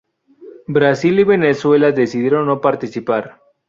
Brasil y Venezuela decidieron no participar.